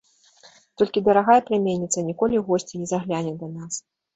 Толькі дарагая пляменніца ніколі ў госці не загляне да нас.